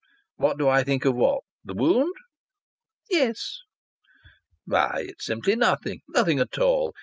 "What do I think of what? The wound?" "Yes." "Why, it's simply nothing. Nothing at all.